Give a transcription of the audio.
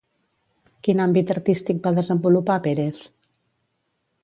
Quin àmbit artístic va desenvolupar Pérez?